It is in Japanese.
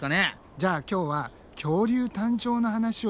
じゃあ今日は「恐竜誕生の話」をしよう。